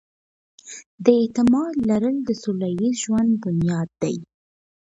د اعتماد لرل د سوله ييز ژوند بنياد دی.